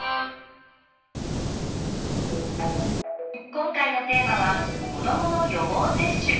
今回のテーマは「子どもの予防接種」。